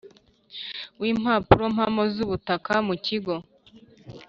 w Impapurompamo z Ubutaka mu Kigo